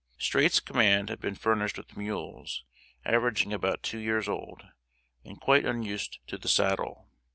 Streight's command had been furnished with mules, averaging about two years old, and quite unused to the saddle.